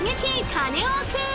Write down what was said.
カネオくん！